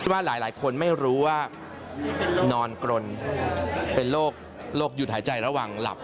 ว่าหลายคนไม่รู้ว่านอนกรนเป็นโรคหยุดหายใจระหว่างหลับ